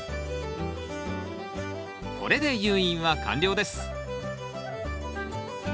これで誘引は完了です